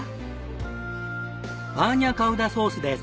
バーニャカウダソースです。